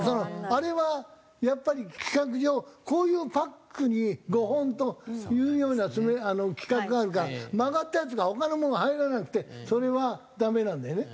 あれはやっぱり規格上こういうパックに５本というような規格があるから曲がったやつが他のものが入らなくてそれはダメなんだよね。